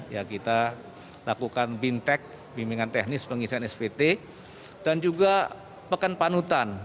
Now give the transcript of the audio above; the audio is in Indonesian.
ya kita lakukan bintek bimbingan teknis pengisian spt dan juga pekan panutan